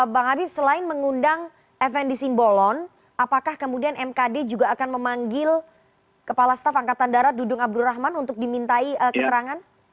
bang habib selain mengundang fnd simbolon apakah kemudian mkd juga akan memanggil kepala staf angkatan darat dudung abdurrahman untuk dimintai keterangan